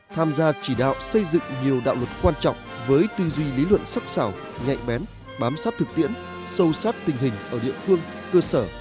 tham gia chỉ đạo xây dựng nhiều đạo luật quan trọng với tư duy lý luận sắc xảo nhạy bén bám sát thực tiễn sâu sát tình hình ở địa phương cơ sở